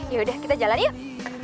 yaudah kita jalan yuk